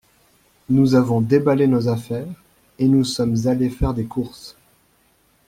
Nous avons déballé nos affaires, et nous sommes allés faire des courses.